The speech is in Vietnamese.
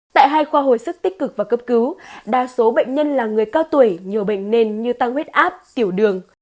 tại hai khoa hồi sức tích cực và cấp cứu đa số bệnh nhân là người cao tuổi nhiều bệnh nền như tăng huyết áp tiểu đường